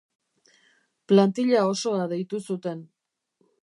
Plantilla osoa deitu zuten.